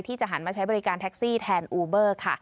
จะหันมาใช้บริการแท็กซี่แทนอูเบอร์ค่ะ